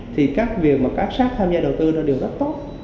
thì các việc mà các sac tham gia đầu tư đó đều rất tốt